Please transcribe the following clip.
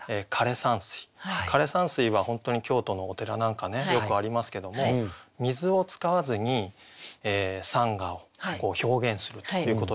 枯山水は本当に京都のお寺なんかねよくありますけども水を使わずに山河を表現するということですよね。